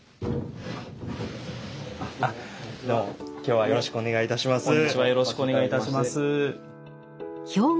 今日はよろしくお願いいたします。